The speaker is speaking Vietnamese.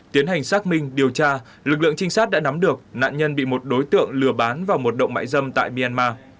tiến hành xác minh điều tra lực lượng trinh sát đã nắm được nạn nhân bị một đối tượng lừa bán vào một động mại dâm tại myanmar